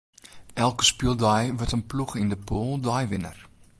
Elke spyldei wurdt in ploech yn de pûle deiwinner.